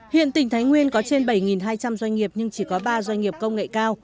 hiện tỉnh thái nguyên có trên bảy hai trăm linh doanh nghiệp nhưng chỉ có ba doanh nghiệp công nghệ cao